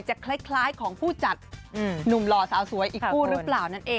คล้ายของผู้จัดหนุ่มหล่อสาวสวยอีกคู่หรือเปล่านั่นเอง